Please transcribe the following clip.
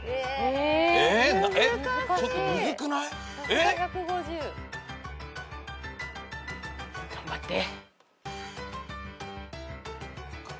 えっ！？頑張って。